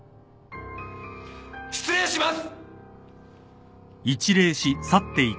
失礼します！